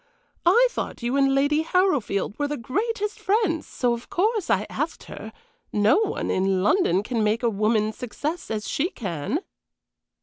I thought you and Lady Harrowfield were the greatest friends, so of course I asked her. No one in London can make a woman's success as she can."